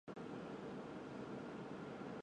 出生于河南光山。